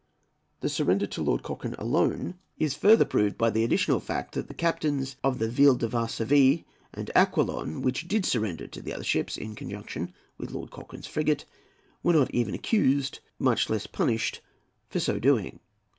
The surrender to Lord Cochrane alone is further proved by the additional fact, that the captains of the Ville de Varsovie and Aquilon, which did surrender to the other ships in conjunction with Lord Cochrane's frigate, were not even accused, much less punished for so doing.